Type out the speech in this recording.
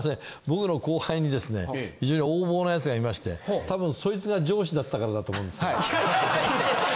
僕の後輩にですね非常に横暴な奴がいまして多分そいつが上司だったからだと思うんです。